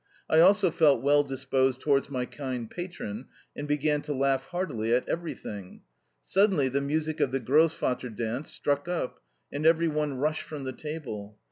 I also felt well disposed towards my kind patron, and began to laugh heartily at everything. Suddenly the music of the Grosvater dance struck up, and every one rushed from the table.